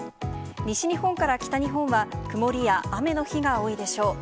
西日本から北日本は、曇りや雨の日が多いでしょう。